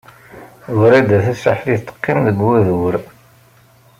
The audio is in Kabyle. Wrida Tasaḥlit teqqim deg wadur.